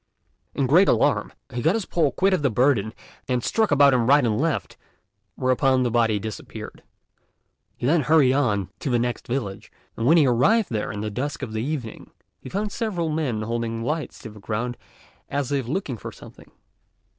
In great alarm, he got his pole quit of the burden and struck about him right and left, whereupon the body disappeared. He then hurried on to the next village, and when he arrived there in the dusk of the evening, he found several men holding lights to the ground as if looking for something.